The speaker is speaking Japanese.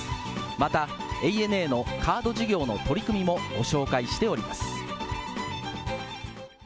またＡＮＡのカード事業の取り組みもご紹介しております。